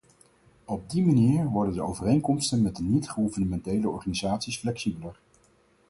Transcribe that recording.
Op die manier worden de overeenkomsten met de niet-gouvernementele organisaties flexibeler.